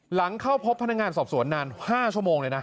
หลังเข้าพบพนักงานสอบสวนนาน๕ชั่วโมงเลยนะ